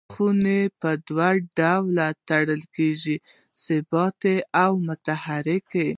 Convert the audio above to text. څرخونه په دوه ډوله تړل کیږي ثابت او متحرک.